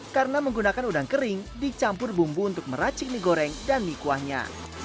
karena menggunakan udang kering dicampur bumbu untuk meracik mie goreng dan mie kuahnya